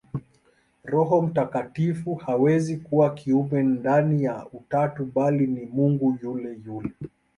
Roho Mtakatifu hawezi kuwa kiumbe ndani ya Utatu, bali ni Mungu yule yule.